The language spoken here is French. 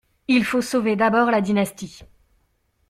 Il faut sauver d'abord la dynastie.